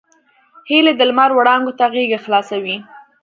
هیلۍ د لمر وړانګو ته غېږه خلاصوي